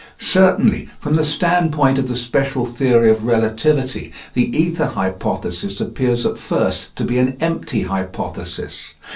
Certainly, from the standpoint of the special theory of relativity, the ether hypothesis appears at first to be an empty hypothesis.